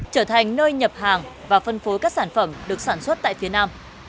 trở thành nơi nhập hàng và phân phối các sản phẩm được sản xuất tại phía nam